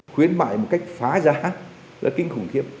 khuyến mại một cách phá giá là tính khủng khiếp